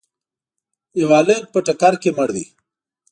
یو هلک په ټکر کي مړ دی.